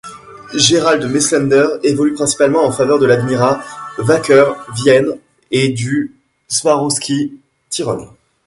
Gerald Messlender évolue principalement en faveur de l'Admira Wacker Vienne et du Swarowski Tirol.